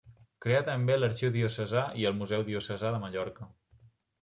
Creà també l'arxiu diocesà i el museu Diocesà de Mallorca.